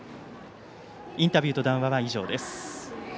インタビューと談話は以上です。